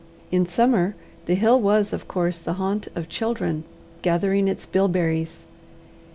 In summer the hill was of course the haunt of children gathering its bilberries.